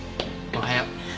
おはよう。